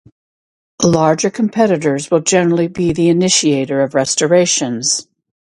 Larger competitors will generally be the initiator of restorations.